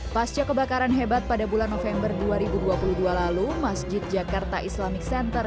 pasca kebakaran hebat pada bulan november dua ribu dua puluh dua lalu masjid jakarta islamic center